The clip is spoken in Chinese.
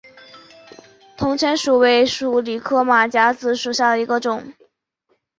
铜钱树为鼠李科马甲子属下的一个种。